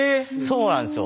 そうなんですよ。